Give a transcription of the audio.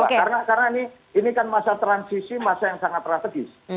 karena ini kan masa transisi masa yang sangat strategis